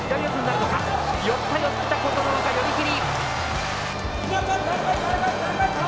寄った寄った琴ノ若寄り切り！